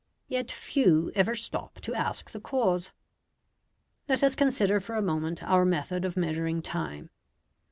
Yet few ever stop to ask the cause. Let us consider for a moment our method of measuring time.